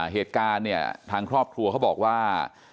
เหตุการณ์เนี่ยทางครอบครัวเขาบอกว่า